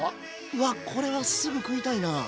わっこれはすぐ食いたいな。